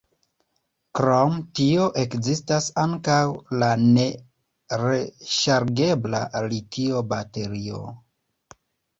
Krom tio ekzistas ankaŭ la ne-reŝargebla litio-baterio.